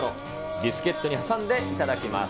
ビスケットに挟んで頂きます。